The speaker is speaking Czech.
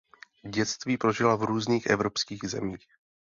Dětství prožila v různých evropských zemích.